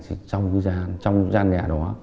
thì trong dân nhà